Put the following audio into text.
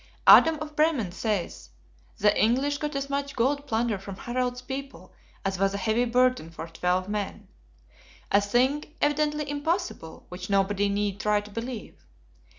Adam of Bremen says, the English got as much gold plunder from Harald's people as was a heavy burden for twelve men; a thing evidently impossible, which nobody need try to believe.